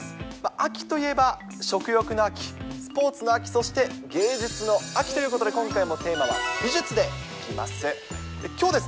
秋といえば食欲の秋、スポーツの秋、そして、芸術の秋ということで、今回のテーマは美術でいきます。